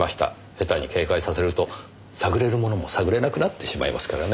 下手に警戒させると探れるものも探れなくなってしまいますからね。